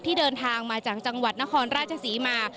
เดินทางมาจากจังหวัดนครราชศรีมา